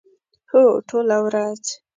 هو، ټوله ورځ